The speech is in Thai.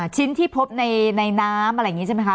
ชิ้นที่พบในน้ำอะไรอย่างนี้ใช่ไหมคะ